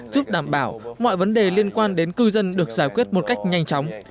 giúp đảm bảo mọi vấn đề liên quan đến cư dân được giải quyết một cách nhanh chóng